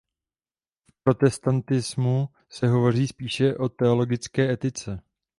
V protestantismu se hovoří spíše o teologické etice.